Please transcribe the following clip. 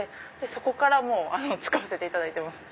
そこから使わせていただいてます。